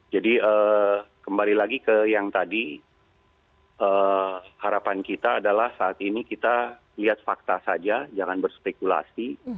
jadi kembali lagi ke yang tadi harapan kita adalah saat ini kita lihat fakta saja jangan berspekulasi